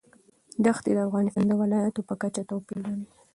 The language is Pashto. دښتې د افغانستان د ولایاتو په کچه توپیر لري.